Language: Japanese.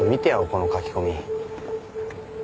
この書き込み。